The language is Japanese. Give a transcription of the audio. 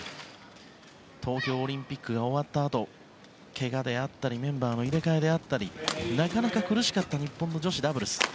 東京オリンピックが終わったあとけがであったりメンバーの入れ替えであったりとなかなか苦しかった日本の女子ダブルス。